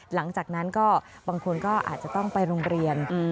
หลังจากนั้นก็บางคนก็อาจจะต้องไปโรงเรียน